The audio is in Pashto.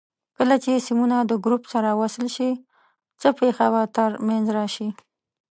کله چې سیمونه د ګروپ سره وصل شي څه پېښه به تر منځ راشي؟